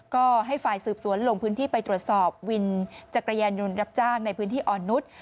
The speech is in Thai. ก็ให้ฝ่ายสืบสวนลงพื้นที่ไปตรวจสอบวินจักรยานยนต์รับจ้างในพื้นที่อ่อนนุษย์